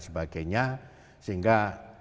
pada saat ini